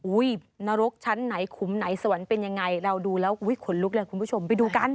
นรกชั้นไหนขุมไหนสวรรค์เป็นยังไงเราดูแล้วขนลุกเลยคุณผู้ชมไปดูกัน